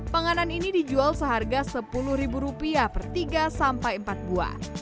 panganan ini dijual seharga sepuluh ribu rupiah per tiga sampai empat buah